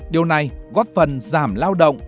điều này góp phần giảm lao động